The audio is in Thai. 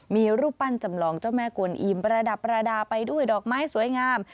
มีรูปปั้นจำลองเจ้าแม่กวนอิมประดับประดาไปด้วยดอกไม้สวยงาม